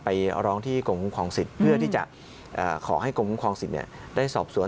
ไปร้องที่กรมคุ้มครองสิทธิ์เพื่อที่จะขอให้กรมคุ้มครองสิทธิ์ได้สอบสวน